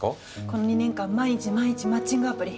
この２年間毎日毎日マッチングアプリ。